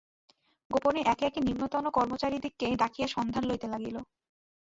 গোপনে একে একে নিম্নতন কর্মচারীদিগকে ডাকিয়া সন্ধান লইতে লাগিল।